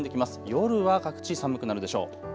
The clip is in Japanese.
夜は各地寒くなるでしょう。